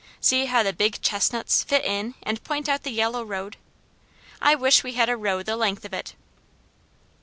See how the big chestnuts fit in and point out the yellow road. I wish we had a row the length of it!"